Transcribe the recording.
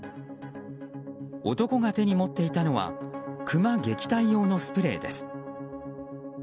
男が手に持っていたのはクマ撃退用のスプレーです。